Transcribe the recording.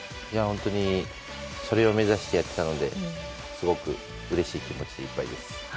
本当にそれを目指してやっていたのですごくうれしい気持ちでいっぱいです。